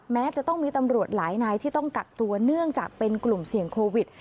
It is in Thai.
แม้จะต้องมีตำรวจหลายนายที่ต้องกักตัวเนื่องจากเป็นกลุ่มเสี่ยงโควิด